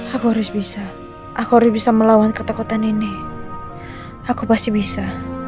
aku harus bisa aku harus bisa melawan ketakutan ini aku pasti bisa